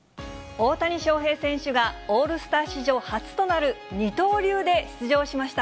大谷翔平選手が、オールスター史上初となる二刀流で出場しました。